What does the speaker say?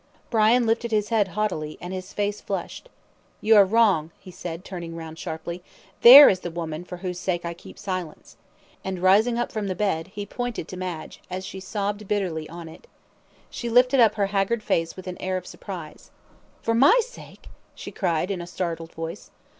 Brian lifted his head haughtily, and his face flushed. "You are wrong," he said, turning round sharply; "there is the woman for whose sake I keep silence;" and, rising up from the bed, he pointed to Madge, as she sobbed bitterly on it. She lifted up her haggard face with an air of surprise. "For my sake!" she cried in a startled voice.